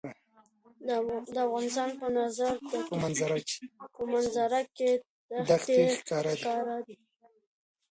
د افغانستان په منظره کې دښتې ښکاره ده.